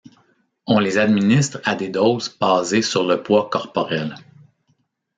On les administre à des doses basées sur le poids corporel.